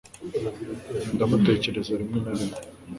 Ndamutekereza rimwe na rimwe